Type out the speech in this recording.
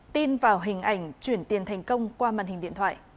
tin vào hình ảnh chuyển tiền thành công qua màn hình điện thoại